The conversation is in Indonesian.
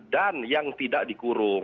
dan yang tidak dikurung